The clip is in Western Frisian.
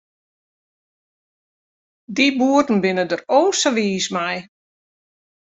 Dy boeren binne der o sa wiis mei.